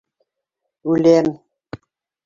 Үләм...